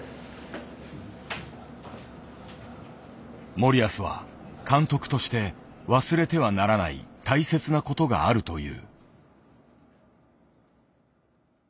森保は監督として忘れてはならない大切な事があると言う。